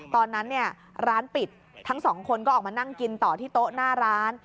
ตอนนั้นเนี่ยร้านปิดทั้งสองคนก็ออกมานั่งกินต่อที่โต๊ะหน้าร้าน